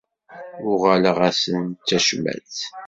Uɣaleɣ-asen d tacmat.